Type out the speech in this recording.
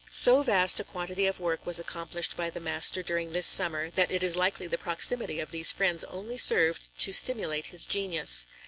So vast a quantity of work was accomplished by the master during this summer, that it is likely the proximity of these friends only served to stimulate his genius.